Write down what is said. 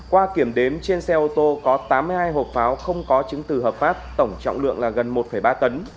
qua kiểm đếm trên xe ô tô có tám mươi hai hộp pháo không có chứng từ hợp pháp tổng trọng lượng là gần một ba tấn